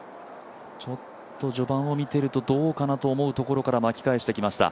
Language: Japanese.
ちょっと序盤を見てるとどうかなと思うところから巻き返してきました。